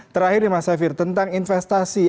terakhir nih mas safir tentang investasi